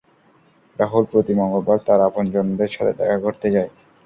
রাহুল প্রতি মঙ্গলবার তার আপনজনদের সাথে দেখা করতে যায়।